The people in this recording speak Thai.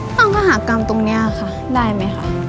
ต้องหากรรมตรงนี้ค่ะได้ไหมคะ